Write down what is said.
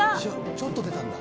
ちょっと出たんだ。